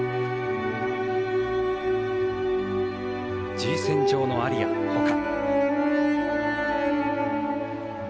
「Ｇ線上のアリア」ほか。